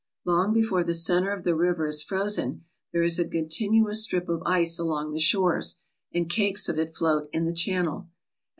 Long before the centre of the river is frozen, there is a continuous strip of ice along the shores, and cakes of it float in the channel.